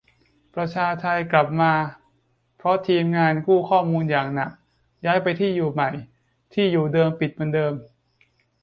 ประชาไทกลับมาเพราะทีมงานกู้ข้อมูลอย่างหนัก ย้ายไปที่อยู่ใหม่ ที่อยู่เดิมปิดเหมือนเดิม